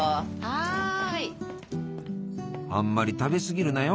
あんまり食べ過ぎるなよ。